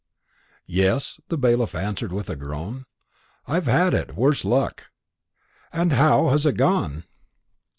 "Yes," the bailiff answered with a groan; "I've had it, worse luck." "And how has it gone?"